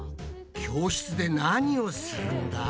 教室で何をするんだ？